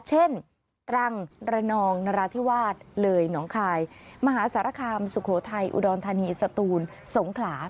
ตรังระนองนราธิวาสเลยหนองคายมหาสารคามสุโขทัยอุดรธานีสตูนสงขลา